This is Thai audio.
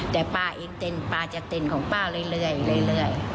แต่ป้าเองเต้นป้าจะเต้นของป้าเรื่อย